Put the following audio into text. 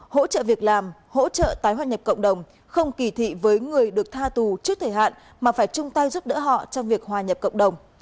hỗ trợ việc làm hỗ trợ tái hoa nhập cộng đồng không kỳ thị với người được tha tù trước thời hạn mà phải chung tay giúp đỡ họ trong việc hòa nhập cộng đồng